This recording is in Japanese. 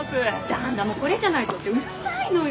旦那もこれじゃないとってうるさいのよ！